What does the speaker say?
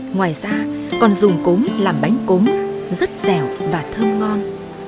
ngoài ra còn dùng cốm làm bánh cốm rất dẻo và thơm ngon